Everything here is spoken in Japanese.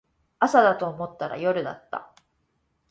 朝だと思ったら夜だった